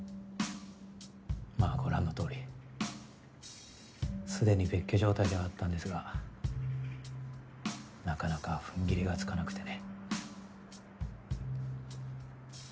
まあご覧のとおり既に別居状態ではあったんですがなかなかふんぎりがつかなくてね。